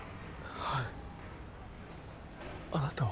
はいあなたは？